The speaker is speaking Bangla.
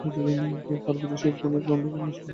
তার পিতা শহীদ কর্নেল খন্দকার নাজমুল হুদা বীর বিক্রম।